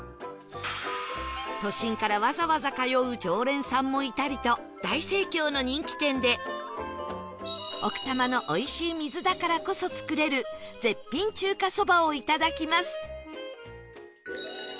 都心からわざわざ通う常連さんもいたりと大盛況の人気店で奥多摩のおいしい水だからこそ作れる絶品中華そばをいただきます